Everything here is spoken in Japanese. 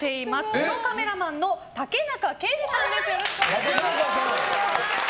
プロカメラマンの竹中圭樹さんです。